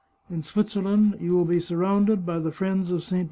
In Switzerland you will be surrounded by the friends of Ste.